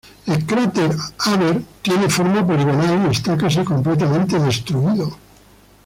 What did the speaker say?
El cráter Haber tiene forma poligonal y está casi completamente destruido.